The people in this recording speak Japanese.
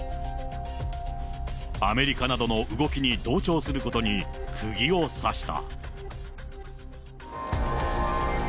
アメリカなどの動きに同調することにくぎを刺した。